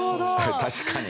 確かにね。